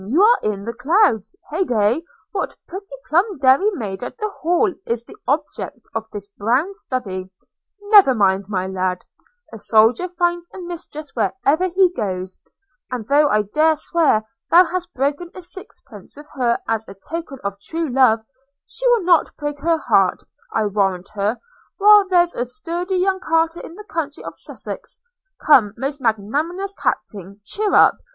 You are in the clouds! Hey day! What pretty plump dairy maid at the Hall is the object of this brown study? Never mind, my lad – a soldier finds a mistress wherever he goes; and though I dare swear thou hast broken a sixpence with her as a token of true love – she will not break her heart, I warrant her, while there's a sturdy young carter in the county of Sussex – Come, most magnanimous Captain, cheer up!